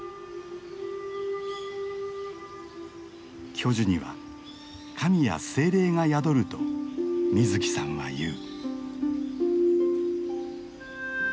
巨樹には神や精霊が宿ると水木さんは言う。